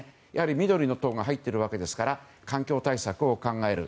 緑の党が入っているわけですから環境対策を考える。